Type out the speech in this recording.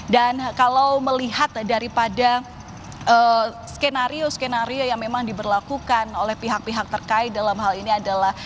dan kalau melihat daripada skenario skenario yang memang diberlakukan oleh pihak pihak terkait dalam hal ini adalah